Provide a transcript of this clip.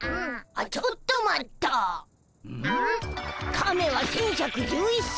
カメは１，１１１歳。